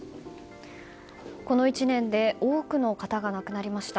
この１年で多くの方が亡くなりました。